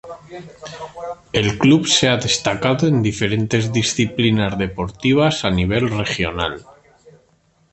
El club se ha destacado en diferentes disciplinas deportivas a nivel regional.